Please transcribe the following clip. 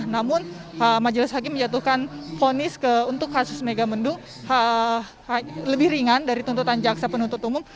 namun majelis hakim menjatuhkan fonis untuk kasus megamendung lebih ringan dari tuntutan jaksa penuntut umum